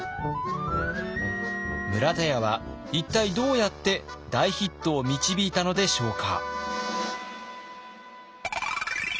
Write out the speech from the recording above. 村田屋は一体どうやって大ヒットを導いたのでしょうか。